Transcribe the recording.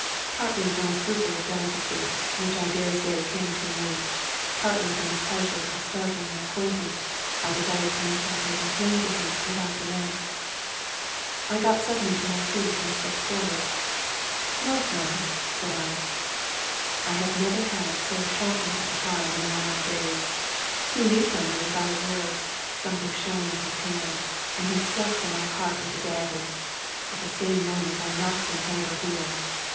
Partly from a scruple of delicacy — which I dare say came too late — ^partly from the pleasure of startling an acquaint ance, I desired to make my presence known to him without delay. I got suddenly to my feet, and stepped forward. " Northmour !" said I. I have never had so shocking a surprise in all my days^ He leaped on me without a word; something shone in his 165 Scotch Mystery Stories •hand; and he struck for my heart with a dagger. At the same moment I knocked him head over heels.